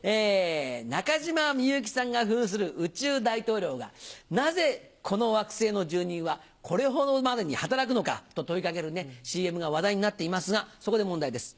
中島みゆきさんが扮する宇宙大統領が「なぜこの惑星の住人はこれほどまでに働くのか？」と問い掛けるＣＭが話題になっていますがそこで問題です。